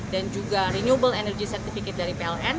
dan juga renewable energy certificate dari pln